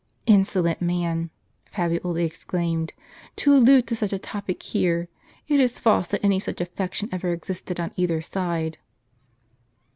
" Insolent man !" Fabiola exclaimed, " to allude to such a topic here ; it is false that any such affection ever existed on either side."